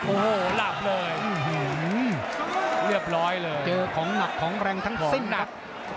โอ้โหหลับเลยเรียบร้อยเลยเจอของหนักของแรงทั้งสิ้นหนัก